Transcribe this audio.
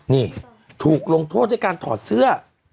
นี่ถูกลงโทษด้วยการถอดเสื้อ